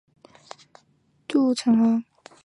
清兵潜渡城河。